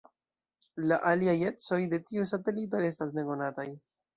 La aliaj ecoj de tiu satelito restas nekonataj.